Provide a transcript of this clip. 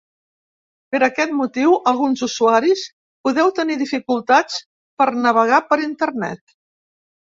Per aquest motiu, alguns usuaris podeu tenir dificultats per navegar per internet.